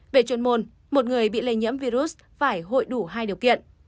về chuyên môn một người bị lây nhiễm virus phải hội đủ hai điều kiện